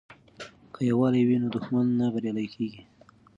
که یووالي وي نو دښمن نه بریالی کیږي.